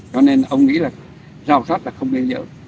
cho nên ông nghĩ là rào sắt là không nên giữ